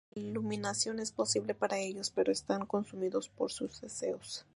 La iluminación es posible para ellos, pero están consumidos por sus deseos.